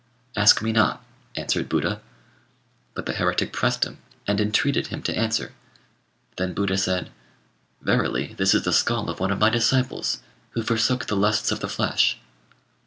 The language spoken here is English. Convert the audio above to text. "'Ask me not,' answered Buddha. But the heretic pressed him, and entreated him to answer; then Buddha said, 'Verily this is the skull of one of my disciples, who forsook the lusts of the flesh.'